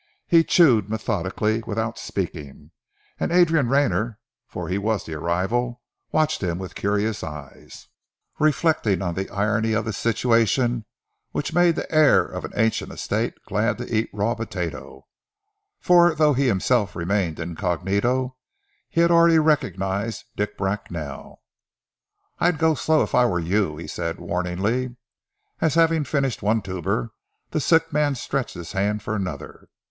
He chewed methodically, without speaking, and Adrian Rayner, for he was the arrival, watched him with curious eyes, reflecting on the irony of the situation which made the heir of an ancient estate glad to eat raw potato; for though he himself remained incognito, he had already recognized Dick Bracknell. "I'd go slow if I were you," he said warningly, as having finished one tuber, the sick man stretched his hand for another.